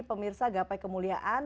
pemirsa gapai kemuliaan